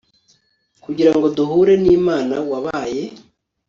kugira ngo duhure n'imana wabaye